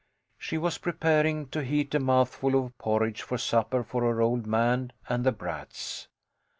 She was preparing to heat a mouthful of porridge for supper for her old man and the brats.